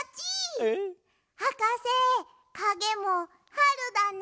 はかせかげもはるだね。